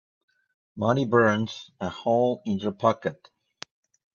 Money burns a hole in your pocket.